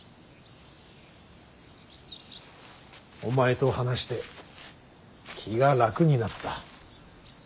お前と話して気が楽になった。